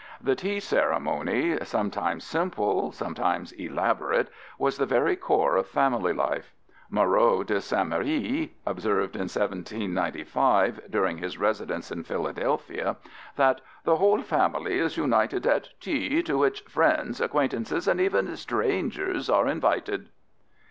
The tea ceremony, sometimes simple, sometimes elaborate, was the very core of family life. Moreau de St. Méry observed in 1795, during his residence in Philadelphia, that "the whole family is united at tea, to which friends, acquaintances and even strangers are invited."